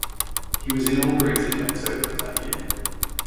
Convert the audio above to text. He was inaugurated in October of that year.